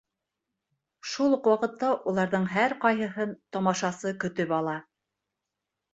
Шул уҡ ваҡытта уларҙың һәр ҡайһыһын тамашасы көтөп ала.